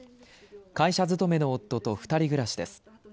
会社勤めの夫と２人暮らしです。